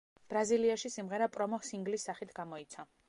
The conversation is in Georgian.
ბრაზილიაში სიმღერა პრომო სინგლის სახით გამოიცა.